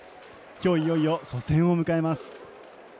今日、いよいよ初戦を迎えます。